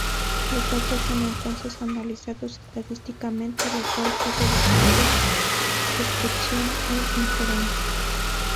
Los datos son entonces analizados estadísticamente lo cual sigue dos propósitos: descripción e inferencia.